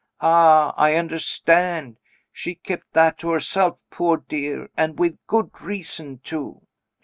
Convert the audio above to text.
Ah, I understand she kept that to herself, poor dear, and with good reason, too."